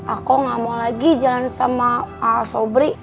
aku gak mau lagi jalan sama sobri